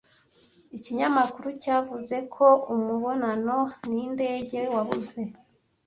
Ikinyamakuru cyavuze ko umubonano nindege wabuze.